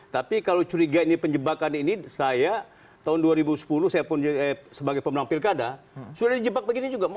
tapi kalau curiga ini penjebakan ini saya tahun dua ribu sepuluh saya pun sebagai pemenang pilkada sudah dijebak begini juga